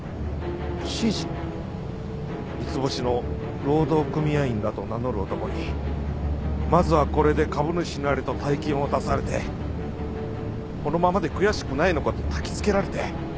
三ツ星の労働組合員だと名乗る男にまずはこれで株主になれと大金を渡されてこのままで悔しくないのかとたきつけられて